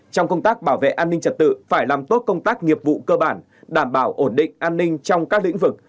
trong công tác bảo vệ an ninh trật tự phải làm tốt công tác nghiệp vụ cơ bản đảm bảo ổn định an ninh trong các lĩnh vực